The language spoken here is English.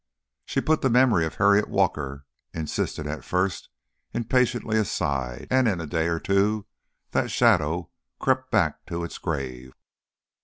She put the memory of Harriet Walker, insistent at first, impatiently aside, and in a day or two that shadow crept back to its grave.